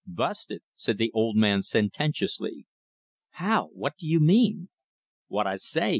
"Busted," said the old man sententiously. "How? What do you mean?" "What I say.